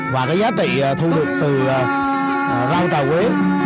và giá trị thu được từ rau trà quế